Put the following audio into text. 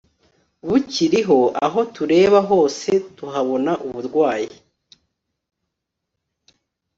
bukiriho Aho tureba hose tuhabona uburwayi